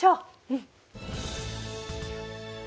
うん。